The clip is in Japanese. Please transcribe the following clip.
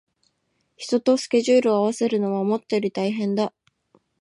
人とスケジュールを合わせるのは思ったより大変だ